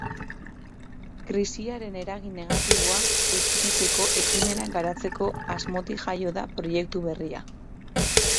Krisiaren eragin negatiboa ekiditeko ekimenak garatzeko asmotik jaio da proiektu berria.